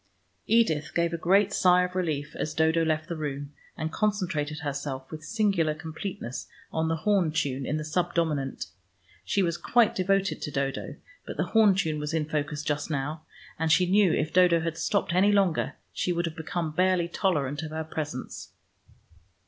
Edith gave a great sigh of relief as Dodo left the room, and concentrated herself with singular completeness on the horn tune in the subdominant. She was quite devoted to Dodo, but the horn tune was in focus just now, and she knew if Dodo had stopped any longer, she would have become barely tolerant of her presence.